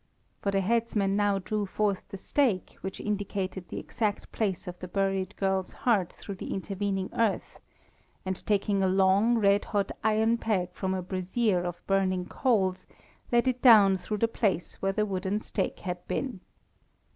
For the headsman now drew forth the stake, which indicated the exact place of the buried girl's heart through the intervening earth, and taking a long, red hot iron peg from a brazier of burning coals, let it down through the place where the wooden stake had been.